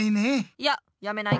いややめない。